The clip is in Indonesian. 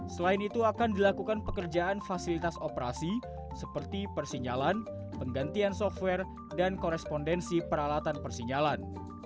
selain itu akan dilakukan pekerjaan fasilitas operasi seperti persinyalan penggantian software dan korespondensi peralatan persinyalan